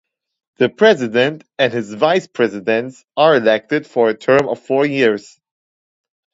The president and his vice-presidents are elected for a term of four years.